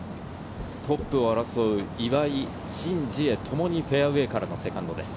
トップを争う岩井、シン・ジエ、ともにフェアウエーからのセカンドです。